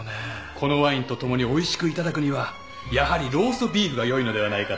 このワインとともにおいしくいただくにはやはりローストビーフがよいのではないかと。